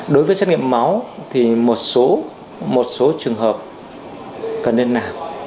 đối với xét nghiệm máu thì một số trường hợp cần nên làm